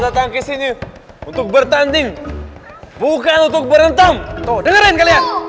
datang ke sini untuk bertanding bukan untuk berentam tuh dengerin kalian